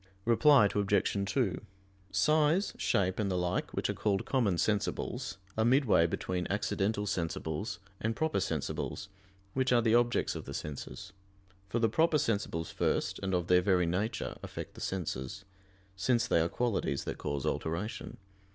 Reply Obj. 2: Size, shape, and the like, which are called "common sensibles," are midway between "accidental sensibles" and "proper sensibles," which are the objects of the senses. For the proper sensibles first, and of their very nature, affect the senses; since they are qualities that cause alteration.